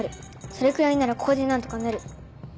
それくらいならここで何とかなる。